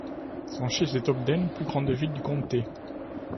Son siège est Ogden, plus grande ville du comté.